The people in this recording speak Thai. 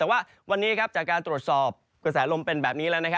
วันนี้จากการตรวจสอบกระแสลมมมือเป็นแบบนี้